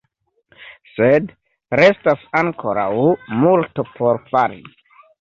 Sed restas ankoraŭ multo por fari.